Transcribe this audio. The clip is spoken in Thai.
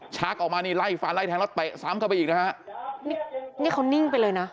ชักออกมาล่อยฟานไร้แทงแล้วตั้งไปซ้ำเข้าไปอีกนะฮะ